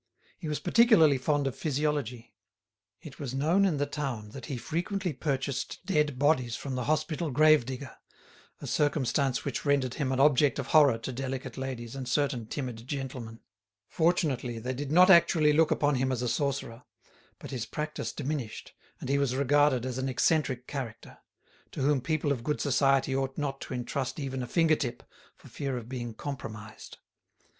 He was particularly fond of physiology. It was known in the town that he frequently purchased dead bodies from the hospital grave digger, a circumstance which rendered him an object of horror to delicate ladies and certain timid gentlemen. Fortunately, they did not actually look upon him as a sorcerer; but his practice diminished, and he was regarded as an eccentric character, to whom people of good society ought not to entrust even a finger tip, for fear of being compromised.